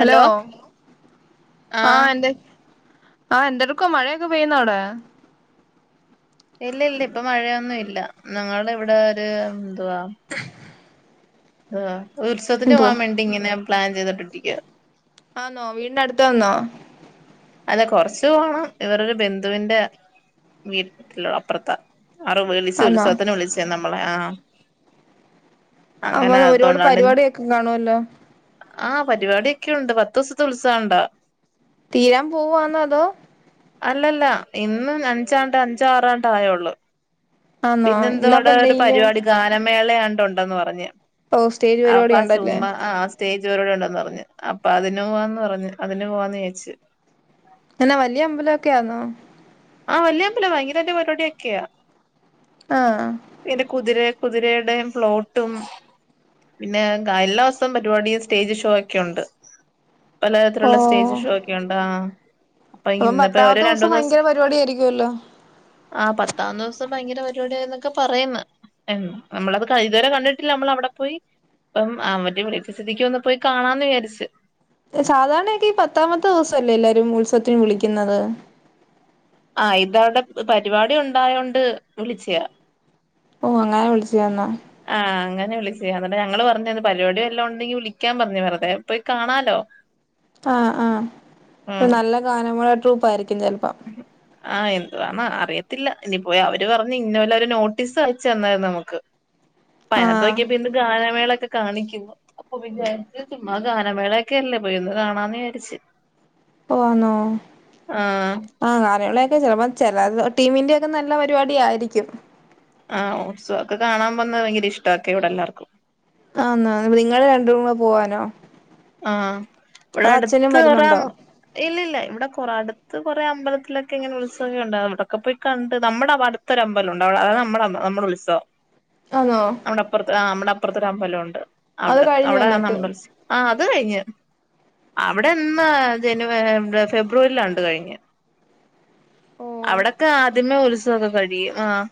Hello ആഹ് ന്തെ ആഹ് എന്തട്ക്കാ മഴയൊക്കെ പെയ്യുന്നോവിടെ ഇല്ലില്ല ഇപ്പൊ മഴയൊന്നുല്ല നങ്ങൾടെവിടെ ഒരു എന്തുവാ ആഹ് ഉത്സത്തിന് എന്തുവാ പോവാൻ വേണ്ടിങ്ങനെ പ്ലാൻ ചെയ്തിട്ടൊട്ടിക്ക ആന്നോ വീടിന്റെടുത്താന്നോ അല്ല കൊറച്ച് പോണം ഇവറൊരു ബന്ധുവിന്റെ വീട്ടിലൊ അപ്പർത്ത അറ് ആന്നോ വിളിച്ചുൽസവത്തിന് വിളിച്ചയ നമ്മളെ ആഹ് അങ്ങനെ [unintelligible] ഒരുപാട് അതുകൊണ്ട് അവിടെ പരിപാടിയൊക്കെ കാണുല്ലോ ആഹ് പരിപാടിക്കെ ഉണ്ട് പത്ത്വസത്തെ ഉത്സണ്ടാ തീരാൻ പോവാന്നോ അതോ അല്ലല്ല ഇന്ന് അഞ്ചാണ്ട് അഞ്ചാറാണ്ടായേയുള്ളൂ ആന്നോ ഇന്നപ്പൊ പിന്നെന്ത്വടെ ഒരു എന്തെങ്കിലും പരിപാടി ഗാനം മേളയാണ്ടൊണ്ടെന്ന് പറഞ്ഞ് ഓഹ് സ്റ്റേജ് പരിപാടി ഒണ്ടല്ലേ [unintelligible] ഉണ്ടന്നറഞ്ഞ് അപ്പൊ അതിന് പോവാന്ന് പറഞ്ഞ് അതിന് പോവാന്ന്ച്ച് എന്നാ വലിയ അമ്പലൊക്കെ ആന്നോ ആഹ് വല്യമ്പലവ [unintelligible] പരിപാടിയൊക്കെയാ ആഹ് [unintelligible] കുതിരെ കുതിരെടേം പ്ലോട്ടും പിന്നെ ഗഎല്ലാസോം പരിപാടിയും സ്റ്റേജ് ഷോയൊക്കെണ്ട് ഓ പലതരത്തിലുള്ള സ്റ്റേജ് ഷോ ഒക്കെണ്ട് ആഹ് അപ്പൊ അപ്പം ഇന്നിപ്പോ ഒരു രണ്ട് പത്താമത്ത്സം മൂന്ന് ദിവസം ഭയങ്കര പരിപാടിയായിരി കൊല്ലോ ആഹ് പത്താ ദിവസം ഭയങ്കര പരിപാടിയാന്നൊക്കെ പറയന്ന് നമ്മളത് ഇതുവരെ കണ്ടിട്ടില്ല നമ്മൾ അവിടെ പോയി ഇപ്പം അവര് വിളിച്ച സ്ഥിതിക്ക് ഒന്ന് പോയി കാണാന്ന് വിചാരിച്ചു സാധാരണയൊക്കെ ഈ പത്താമത്തെ [unintelligible] ഉത്സവത്തിന് വിളിക്കുന്നത് ആഹ് ഇതവിടെ പരിപാടി ഉണ്ടായോണ്ട് വിളിച്ചയാ ഓഹ് അങ്ങനെ വിളിച്ചയാന്നോ [unintelligible] ഞങ്ങള് പറഞ്ഞത് പരിപാടി വല്ലോണ്ടെങ്കി വിളിക്കാൻ പറഞ്ഞ് വെർതെ പോയി കാണാലോ ആഹ് ആഹ് ഉം ഇപ്പ നല്ല ഗാനമേള ട്രൂപ്പാര് ചെൽപ്പം വാണാ അറിയത്തില്ല ഇനി പ്പോയ അവര് പറഞ്ഞ് ഇന്നോല്ല ഒരു നോട്ടീസ് അയച്ചു തന്നാര്ന്നു നമുക്ക് ആഹ് പ്പയ്നാത്തൊക്ക്യപ്പിന്ന് ഗാനമേളൊക്കെ കാണിക്കുമ്പം അപ്പൊ വിചാര്ച് ചുമ്മാ ഗാനമേളെയ്ക്കെല്ലേ പോയി ഒന്ന് കാണാന്ന് വിയാര്ച്ച് പ്പൊ വാന്നോ ആഹ് ആഹ് ഗാനളേക്കെ ചെലപ്പോ ചെലത് ഒ ടീമിന്റെ ക്ക നല്ല പരിപാടി ആയിരിക്കും ആഹ് ഓട്സോ ഒക്ക കാണാ വന്ന വയ്ങ്കര ഇഷ്ടാക്കെ ഇവിടെ എല്ലാർക്കും ആന്ന നിങ്ങള് രണ്ടു മ പോവാനോ ആഹ് വ്ടെ അതോ അച്ഛനും അടുത്ത് ഒറം വരുന്നുണ്ടോ ഇല്ലില്ല്യ ഇവ്ടെ കൊറ അടുത് ത് കുറേ അമ്പലത്തിലൊക്കെ ഇങ്ങനെ ഉത്സവൊ ഉണ്ടാവും വ്ടൊക്ക പ്പൊയ് കണ്ട് നമ്മുടെ അവ് അടുത്തൊരു അമ്പലുണ്ട് അവിടെ അത് നമ്മട നമ്മുടെ ഉത്സവം ആന്നോ മ്മടെ അപ്പർത്ത് ആ നമ്മ്ട പ്പർത്തൊരമ്പലവുണ്ട് അത് അവ്ടെ കഴിഞ്ഞോ അവ്ടെ എന്നിട്ട് അമ്പൽസ് ആ ത് കഴ്ഞ്ഞ് അവിടെന്നാ ജനുവ ഫെബ്രുവര്ലാണ്ട് കഴിഞ്ഞ് ഓഹ് അവിടെക്കെ ആദ്യമേ ഉത്സവൊക്കെ കഴിയും ആഹ്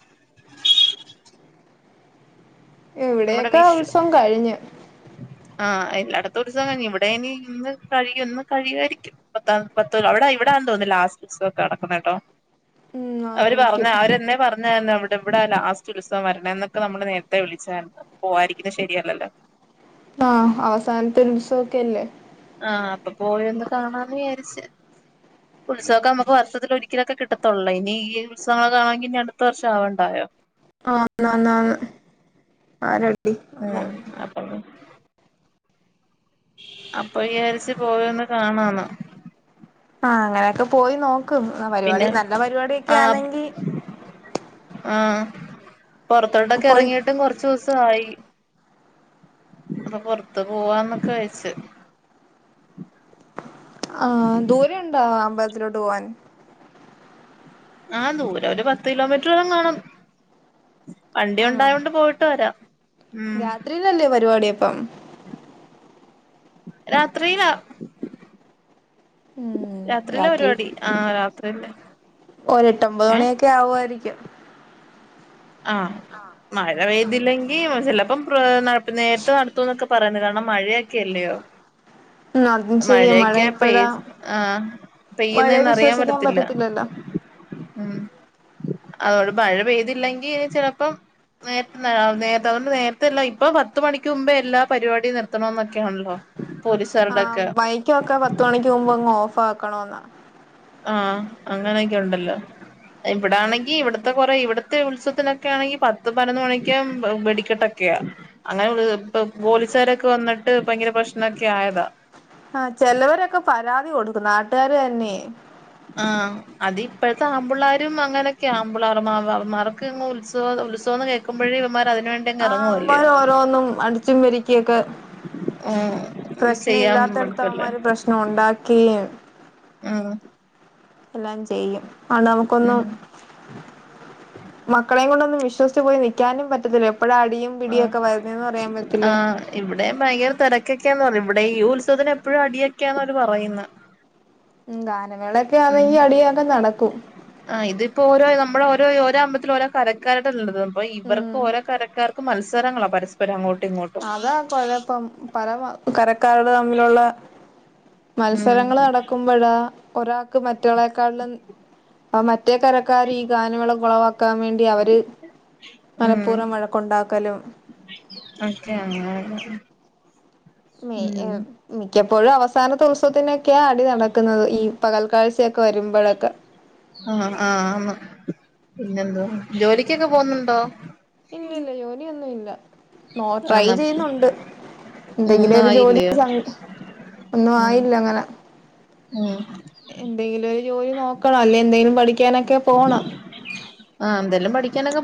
നമ്മുടെ എവിടേക്കാ വിഷു ഉത്സവം കഴിഞ്ഞ് ആഹ് എല്ലാടത്തു ഉത്സവ കയ്ഞ്ഞ് ഇവിടെ ഇനി ഇന്ന് കഴിയു ഇന്ന് കഴിയുയാരിക്കും പത്ത പത്ത് അവിടെ ഇവിടാ തോന്ന് ലാസ്റ്റ് ഉത്സവൊക്ക നടക്കുന്ന ട്ടോ ഉം അവര് പറഞ്ഞ ആയിരിക്കും അവരെന്നെ പറ ന്നേന്നു അവ്ടെ ഇവ്ടാ ലാസ്റ്റ് ഉത്സവ വര്ണെ ന്നൊക്ക നമ്മള് നേര്ത്തെ വിളിച്ചാര്ന്നു പോവായിരിക്ക്ന്നെ ശരിയല്ലല്ലൊ ആഹ് അവസാൻത്തൊര് ഉത്സവൊക്കെല്ലേ ആഹ് അപ്പൊ പോയൊന്ന് കാണാന്ന് വിയാര്ച്ച് ഉത്സവൊക്ക അമക്ക് വർഷത്തില് ഒരിക്കലൊക്ക കിട്ടത്തൊള്ളു ഇനി ഈ ഉത്സവ [unintelligible] മെങ്കി ഇനി അടുത്ത വർഷ ആവണ്ടെയോ ആഹ് ന്ന്ന്ആര ആഹ് അപ്പപ്പി ന്നെ അപ്പൊ യാരിച്ച് പോയോന്ന് കാണാന്ന് അങ്ങനൊക്കെ പോയി നോക് ക്കും പരിപാടി പിന്നെ നല്ല പരിപാടിക്കെ ആഹ് ആണെങ്കി ആഹ് പൊറത്തോട്ടൊക്കെ പോയി എറങ്ങീട്ടും കൊറ്ച്ച് ഊസ് ആയി അപ്പ പൊർത്ത് പോവാന്നൊക്ക യ്ച്ച് ആ ദൂരെ ഉണ്ടൊഅമ്പ ത്തിലോട്ടുവാൻ ആ ദൂരൊ ഒരു പത്ത് കിലോമീറ്ററ ങ്ങ് കാണും വണ്ടി ആന്നോ ഉണ്ടായോണ്ട് പോയിട്ട് വരാം ഉം രാത്രിയിലല്ലേ പരിപാടി അപ്പം രാത്രിയിലാ ഉം രാത്രില പരിപാടി ആ ര ത്രി ന്നെ ഒര് എട്ടമ്പൊത് മണിയൊക്കെ ആവുആയിരിക്കും ആ മഴ പെയ്തില്ലെങ്കി ചില [unintelligible] പ്പ നേരത്തെ നടത്തും ന്നൊക്കെ പറയുന്നത് കാരണം മഴയൊക്കെയല്ലയോ ഉം അതും ശരിയാ മഴ മഴയൊക്കെ ഇപ്പഴാ പെയ്ത് ആ മഴയെ പെയ്യുന്നന്ന് അറിയാ വിശ്വസിക്കാൻ പറ്റത്തില്ല പറ്റത്തില്ലല്ലോ ഉം അത് കൊണ്ട് മഴ പെയ്തില്ലെങ്കി ചെലപ്പം നേർത്തെ നേരത്തല്ലേ ഇപ്പൊ പത്ത് മണിക്ക് മുന്പേ എല്ലാ പരിപാടിം നിർത്തണം എന്നൊക്കെയാണല്ലോ ആ മൈക്ക് ഒക്കെ പത്ത് മണിക്ക് മുന്പങ്ങ് ഓഫ് ഫാക്കാണെന്ന ആ അങ്ങനെയെക്കെയുണ്ടല്ലോ ഇവിടാണെങ്കി ഇവിടെത്തെ കൊറേ ഇവ്ടെത്തെ പത്ത് പയ്നൊന്ന് മണിക്കും വെടിക്കെട്ടൊക്കെയാ. അങ്ങനെ പോലീസാരൊക്കെ വന്നിട്ട് ഭയങ്കര പ്രശ്‌നൊക്കെ ആയതാ ആ ചേലോരൊക്കെ പരാ തി കൊടുക്കും നാട്ടാര്ന്നേ ആ അതിപ്പോഴത്തെ ആണ്പിള്ളേരും അങ്ങനെയൊക്കെയാ ആണ്പിള്ളേർക്ക് അവർക്ക് ഉത്സവം ന്ന് കേൾക്കുമ്പേയെ ഇവൻ ആ അവന്മാര് ഓരോന്നും അടിച്ചും ക്കിയൊക്കെ ഉം ചെയ്യാൻ പ്രശ്നമില്ലാത്തിടത് മടുക്കല്ലേ അവന്മാര് പ്രശ്നമുണ്ടാക്കുകയും ആഹ് എല്ലാം ചെയ്യും ആ നമുക്കൊന്നും ഉം മക്കളീം കൊണ്ടെന്നും വിശ [unintelligible] പോയി നിക്കാനും പറ്റത്തില്ല എപ്പഴാ അടിയും ആ പിടിയൊക്കെ വരുന്നേന്ന് പറയാൻ പറ്റില്ല ആ ഇവടെയും ഭയങ്കര തെര കെക്കെ എന്ന് പറയും ഇവ്ടെ ഈ ഉത്സവത്തിന് എപ്പഴും അടിയൊക്കെ എന്നാ അവര് പറയുന്നേ മ് ഗാ നമേള ക്കെ ആന്നേങ്കി അടിയൊക്കെ നടക്കും പ്പ ഓരോ നമ്മളെ ഓരോ ഓരൊമ്പലത്തില് ഓരോ കരക്കാ പ്പോ ഇവർക്ക് ഉം ഓരോ കരക്കാർ മത്സരങ്ങളാ പരസ്പരം അങ്ങോട്ട് അതാ കൊഴപ്പം പര കരക്കാരെ തമ്മിലുള്ള ഉം മത്സരങ്ങള് നടക്കുമ്പോഴാ ഒരാക്ക് മ റ്റൊളക്കാലിലും അ മ റ്റേ കരക്കാര് ഈ ഗാനമേള കൊളവ ക്കാൻ വേണ്ടി അവര് മനഃപൂർവം വഴക്കുണ്ടാക്കലും അക്കെ അങ്ങനെ മി ഉം മി ക്കപ്പോഴും അവസാന [unintelligible] ഒക്കെ അടി നടക്കുന്നത് ഈ പകൽക്കഴ്ചയൊക്കെ വരുമ്പോഴൊക്കെ ആ ആ ന്ന് പിന്നെന്തോ ജോലിക്കൊക്കെ പോന്നുണ്ടോ ഇല്ല ഇല്ല ജോലി ഒന്ന ഇല്ല നോ ട്രൈ ആന്നോ ചെയ്യുന്നുണ്ട് ഉം എന്തെങ്കിലും ഒന്നും ഒരു ജോലി ആയില്ലയോ സ ഒന്നും ഉം ആയില്ല അങ്ങനെ ഉം എന്തെങ്കിലും ഒരു ജോലി നോക്കണം അല്ലേ എന്തെങ്കിലും പഠിക്കാനൊക്കെ പോണം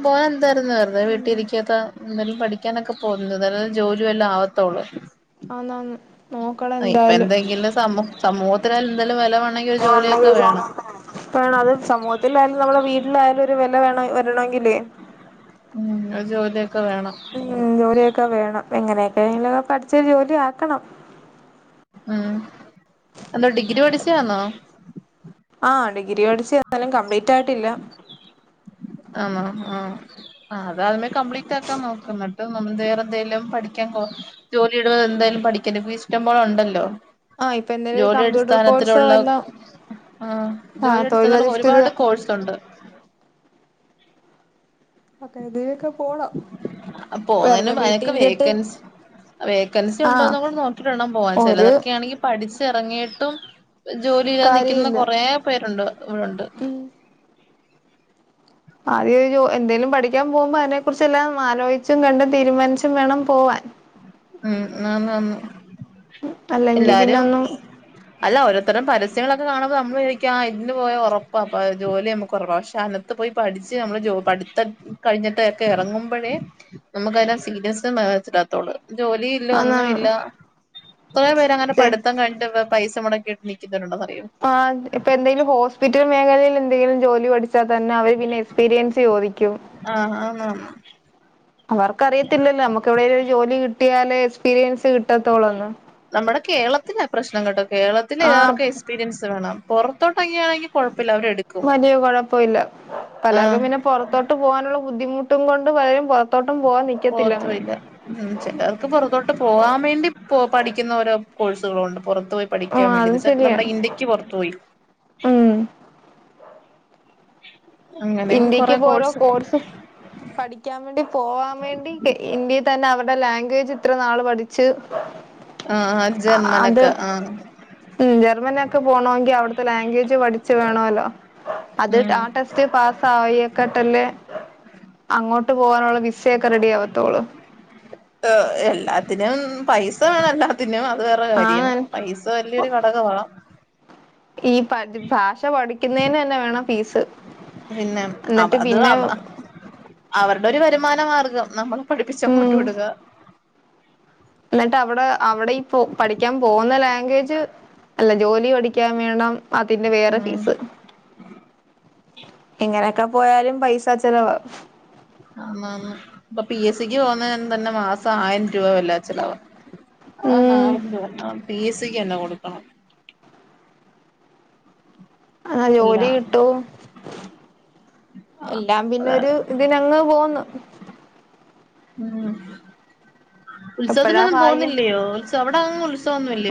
പോ [unintelligible] യിരുന്നു വെറതെ വീട്ടിലിരിക്കാത്ത പഠിക്കാനൊക്കെ പോകുന്നു നല്ല ജോലിയ വല്ലാം ആവത്തള്ളൂ [unintelligible] ഇപ്പൊ എന്തായാലും എന്തെങ്കിലും സമൂ സമൂഹ തില്ലേ [unintelligible] പ അത് സമൂ ത്തിലയാലും നമ്മുടെ വീട്ടിലായാലും ഒരു വില വേണ വരുന്നാകില്ല ഉം ഒരു ജോലിയൊക്കെ വേണം ക്കെ വേണം എങ്ങനെയൊക്കെില പഠിച്ച ജോലി ആക്കണം ഉം എന്താ ഡിഗ്രി പഠിച്ചാന്നോ ആ ഡിഗ്രി പഠിച്ച എന്നാലും കംപ്ലീറ്റ് ആയിട്ടില്ല ആണോ ആ ആ അതാദ്യമേ കംപ്ലീറ്റ് ആക്കാൻ നോക്കുന്നിട്ട് നമ്മൾ വേറെ എന്തായാലും പഠിക്കാൻ പോ ജോലി ഇടു എന്തായാലും പഠിക്കൻപ്പ ഇഷ്ടം പോലെ ഉണ്ടല്ലോ ആഹ് ഇപ്പൊ എന്തേലും ഒരു ജോലി കമ്പ്യൂട്ടർ കോഴ്സോ അടിസ്ഥാനത്തിലുള്ള വല്ലോ ആ ജോലി ആഹ് അടിസ്ഥാനത്തില തൊഴിലധിഷ്ഠിത ഒരുപാട് കോഴ്സ് ഉണ്ട് അക്കെ ഇതൊക്കെ പോണം പോവുന്നതിനു വെറുതെ വീട്ടിൽ [unintelligible] ഇരുന്നിട്ട് വേക്കൻസി ആ വേക്കൻസി ആഹ് ഉണ്ടോന്ന കൂടി നോക്കിട്ടണ്ട പോവാൻ ഒരു ചിലതൊക്കൊണെങ്കിൽ പഠിച്ച ഇറങ്ങിയിട്ടും ജോലില്ലാ കാര്യം നിക്കുന്ന ഇല്ല കൊറെ പേരുണ്ട് ഇവിടെണ്ട് ആദ്യ ഒരു എന്തേങ്കലും പഠിക്കാൻ പോകുമ്പോ അതിനെ കുറിച്ച് എല്ലാം ആലോചിച്ചും കണ്ടും തീരുമാനിച്ചു ഉം അന്നേന്നെ അല്ലെങ്കി എല്ലാരും പിന്നൊന്നും അല്ല ഓരോത്തരം പരസ്യങ്ങള അെ കാണുമ്പോ നമ്മൾ എരിക്ക അതിന് പോ ഉറപ്പാ ജോലി നമുക്ക് ഉറപ്പാ പക്ഷെ അന്നത്ത് പോയി പഠിച്ച് നമ്മള് പത്ത കഴിഞ്ഞിട്ട ഒക്കെ ഇറങ്ങുമ്പോഴേ നമുക്ക് അതിനാം സീരിയസ് മിലാത്തുള്ളൂ ജോലി ഇല്ല ആന്ന് ഒന്നും ഇല്ല കുറേ പേര് അങ്ങനെ ചെ പിം കണ്ട് മടക്കിട്ട് നിക്കുന്നുണ്ട് ആ ഇപ്പം എന്തെങ്കിലും ഹോസ്പിറ്റൽ മേഖലയിൽ എന്തെങ്കിലും ജോലി പഠി തന്നെ അവര് പിന്നെ എക്സ്പീരിയൻസ് ചോദിക്കും ആഹ് ആന്നാന്ന് അവർക്ക് അറിയത്തില്ലല്ലോ നമുക്ക് എവിടെയും ഒരു ജോലി കി കിട്ടിയാലേ എക്സ്പീരിയൻസ് കിട്ടത്തോളന്ന് കേരളത്തിലാപ്രശ്നം കെട്ടോ കേരളത്തിൽ ആഹ് എല്ലാവർക്കും എക്സ്പീരിയൻസ് വേണം പുറത്തോട്ടങ്ങിയാണെങ്കി കുഴ വലിയ കുഴപ്പമില്ല പലർക്കും ആഹ് പിന്നെ പുറത്തോട്ട് പോകാനുള്ള ബുദ്ധിമുട്ട് ട്ടും കൊണ്ട് പലരും പുറത്തോട്ട് പോകത്തതില്ല ചിലവർക്ക് പുറത്തോട്ട് പോകാൻ വേണ്ടി പഠിക്കുന്നവരോ കോഴ്സുകളുണ്ട് പുറത്തു പോയി പഠിക്കാൻ ആഹ് വേണ്ടി അതും ശരിയാ നമ്മുടെ ഇന്ത്യക്ക് പുറത്തു പോയി ഉം അങ്ങനെയും ഇന്ത്യക്ക് കൊറെ പോരോ കോഴ്സ് പഠിക്കാൻ വേണ്ടി പോവാൻ വേണ്ടി ഇന്ത്യ തന്നെ അവരുടെ ലാംഗ്വേജ് ഇത്ര നാള് പഠിച്ച് ആ ജർമ്മനൊക്കെ ആ പുറത്ത് പോകണമെങ്കിൽ അവിടുത്തെ ലാംഗ്വേജ് പഠിച്ചു വേണമല്ലോ അത് ഉം ആ ടെസ്റ്റ് പാസ് സായിക്കാട്ടല്ലേ അങ്ങോട്ട് പോവാനുള്ള വിസയൊക്കെ റെഡി ആവത്തോളു എല്ലാത്തിനും പൈസ വേണം അതിനാ അത് വേറെ കാര്യം ആണ് പൈസ വലിയൊരു ഘടകമാ ഈ പഠി ഭാഷ പഠിക്കുന്നതിന് തന്നെ വേണം ഫീസ് പിന്നെ അവ എന്നിട്ട് അത് പിന്നെ അവ അവരുടെ ഒരു വരുമാന മാർഗം നമ്മള് പഠിപ്പിച്ച് അങ്ങോട്ട് ഉം വിടുക എന്നിട്ട് അവിടെ അവിടെ ഇപ്പോ പഠിക്കാൻ പോകുന്ന ലാംഗ്വേജ് അല്ല ജോലി പഠിക്കാൻ വേണം അതിന്റെ വേറെ ഉം ഫീസ് ഇങ്ങനെ ഒക്കെ പോയാലും പൈസ ചെലവാ മാ മാ ഇപ്പൊ പി എസ് സിക്ക് പോകുന്നതിന് തന്നെ മാസം ആയിരം രൂപ വല്ല ചിലവാ ആണ് ഉം ആണ് പി എസ് സിക്ക് തന്നെ കൊടുക്കണം ആ അല്ല ജോലി കിട്ടു ആഹ് എല്ലാം പിന്നെ അതാ ഒരു ഇതിനങ്ങ് പോന്നു ഉം [inaudible]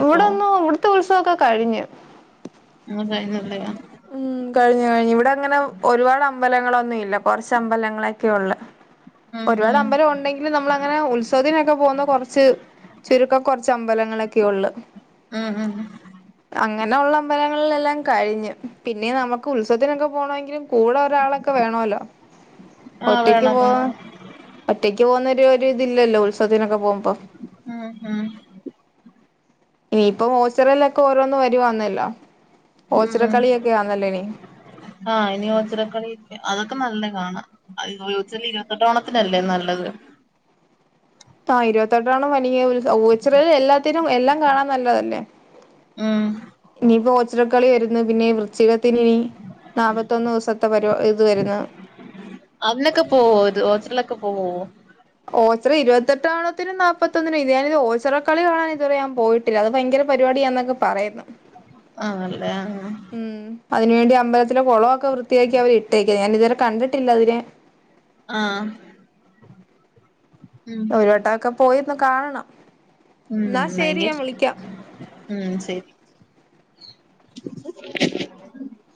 ഇവിടെ ഇപ്പൊ ഒന്നും ഇവിടുത്തെ ഉത്സവൊക്കെ കഴിഞ്ഞു കഴിഞ്ഞൊള്ളയാ മ് കഴിഞ്ഞു കഴിഞ്ഞു ഇവിട ഒരുപാടങ്ങനെ അമ്പലങ്ങൾ ഒന്നുല്ല കൊറച്ച് അമ്പലങ്ങളൊക്കെ ഉള്ളൂ ഉം ഒരുപാട് ഉം അമ്പലം ഉണ്ടെങ്കിലും നമ്മള് അങ്ങനെ ഉത്സവത്തിനൊക്കെ പോന്നെ കൊറച്ച് ചുരുക്കം കുറച്ച് അം മ്പലങ്ങളൊക്കെയൊള്ള് ആ ആ ന്നെ ഒള്ള അമ്പലങ്ങളിലെല്ലാം കഴിഞ്ഞു പിന്നെ നമുക്ക് ഉത്സവത്തിനൊക്കെ പോണമെങ്കില് കൂടെ ഒരാളൊക്കെ വേണമല്ലോ ആഹ് ഒറ്റക്ക് വേണം പോകാം വേണം ഒറ്റക്ക് പോന്ന ൻ്റെ ഒരു ഇതില്ലല്ലോ ഉൽസ മ് മ് ഏയ് ഇപ്പോൾ ഓച്ചിറയിലൊക്കെ ഓരോന്ന് വരുവാണല്ലോ ആ ആ ഇനി ഓച്ചിറക്കളി അതൊക്കെ നല്ലതാണ് [unintelligible] ച്ചാല് ഇരുപത്തെട്ടാം ഓണത്തിനല് ലെ നല്ലത് ആ ഇരുപത്തിയെട്ടാം ഓണം വലിയ ഒരു സ് ഓച്ചിറയിലെ എല്ലാത്തിനും എല്ലാം കാണാൻ നല്ലയല്ലേ ആ ഇനിയിപ്പോ ഓച്ചിറ കളി വരുന്നു പിന്നെ വൃശ്ചിക ല്ലി നാപ്പത്തൊന്ന് ദിവസത്തെ പരു ഇത് വരുന്നു അതിനൊക്കെ പോവോ ഇത് [unintelligible] ഓച്ചിറ ഇരുപത്തെട്ടാം ഓണത്തിനും നാപ്പത്തിയൊന്നിനും ഇതേവരെ ഞാൻ പോയിട്ടില്ല അത് ഭയങ്കര പരുപാടിയാന്നൊക്കെ പറയ്ന്ന്. ആ അല്ലേ ആ അതിനു വേണ്ടി അമ്പലത്തിലെ കുളമൊക്കെ വൃത്തിയാക്കിയി അവരിട്ടേക്കുന്നു ഞാൻ ഇതുവരെ കണ്ടിട്ടില്ല അതിനെ [inaudible] [inaudible] ഒരുവെട്ടക്കെ പോയി കാണണം മ്ം എന്നാ ശരി ഭയ ഞാൻ വിളിക്കാം [unintelligible] മ് ശരി [inaudible]